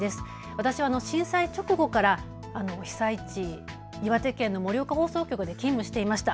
私は震災直後から被災地、岩手県の盛岡放送局に勤務していました。